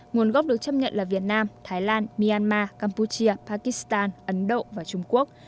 nguồn gốc được chấp nhận là việt nam thái lan myanmar campuchia pakistan ấn độ và trung quốc